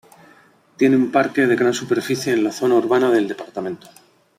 Tiene un parque de gran superficie en la zona urbana del departamento.